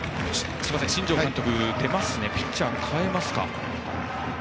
新庄監督が出ましたがピッチャーを代えますか。